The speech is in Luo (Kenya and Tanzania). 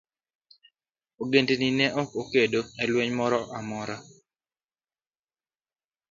Ogendni ne ok okedo e lweny moro amora.